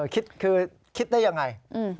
คิดคือคิดได้ยังไง